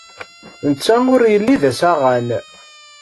Netta ur yelli d asaɣan.